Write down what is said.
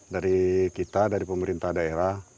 dari kita dari pemerintah daerah